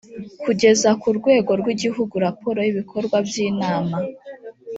kugeza ku rwego rw’igihugu raporo y’ibikorwa by’inama